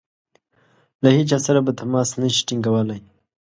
له هیچا سره به تماس نه شي ټینګولای.